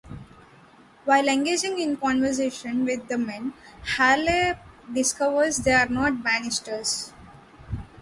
While engaging in conversation with the men, Harley discovers they are the Bannisters.